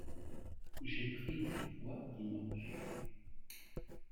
J'ai pris du poids dimanche.